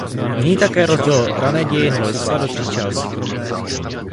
V ní také rozdělil rané dějiny lidstva do tří částí.